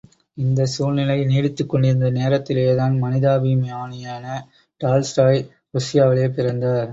இந்தச் சூழ்நிலை நீடித்துக் கொண்டிருந்த நேரத்திலேதான் மனிதாபிமானியான டால்ஸ்டாய் ருஷ்யாவிலே பிறந்தார்.